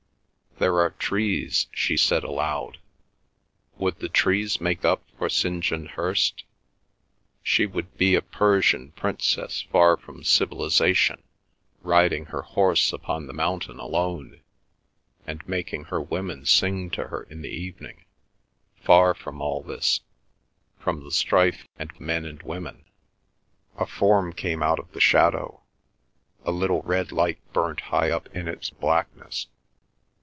"There are trees," she said aloud. Would the trees make up for St. John Hirst? She would be a Persian princess far from civilisation, riding her horse upon the mountains alone, and making her women sing to her in the evening, far from all this, from the strife and men and women—a form came out of the shadow; a little red light burnt high up in its blackness.